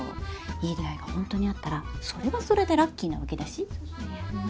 いい出会いが本当にあったらそれはそれでラッキーなわけだし。